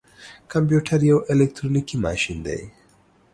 کمپيوټر يو اليکترونيکي ماشين دی.